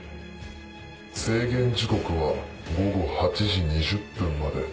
制限時刻は午後８時２０分まで。